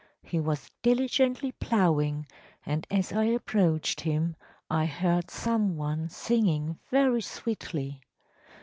He was diligently ploughing, and as I approached him I heard some one singing very sweetly.